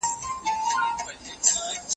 هغې غوښتل پوه شي چې آیا واوره وورېده؟